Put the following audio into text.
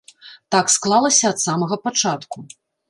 Так склалася ад самага пачатку.